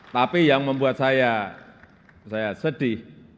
tapi yang membuat saya sedih